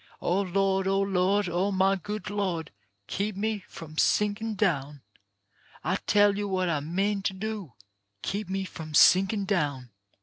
O Lord, O my Lord, my good Lord, Keep me frBm sinkin' down. I tell yo' what I mean to do. Keep me from sinkin' down.